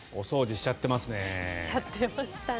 しちゃってましたね。